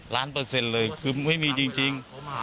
เปอร์เซ็นต์เลยคือไม่มีจริง